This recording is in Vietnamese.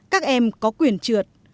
các em có quyền trượt